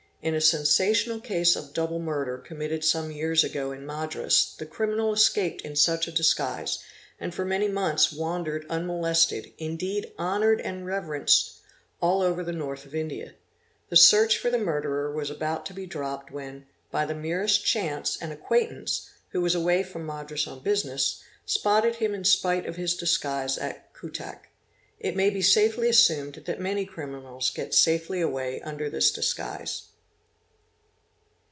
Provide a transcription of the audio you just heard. In a sensational case of double murder committed some years ago in Madras the criminal escaped in such a disguise and for many months wandered unmolested, indeed honoured and reverenced, all over the North of India. The search for the murderer was about to be dropped when, by the merest chance, an acquaintance, who was away from Madras on business, spot ted him in spite of his disguise at Cuttack. It may be safely assumed that many criminals get safely away under this disguise.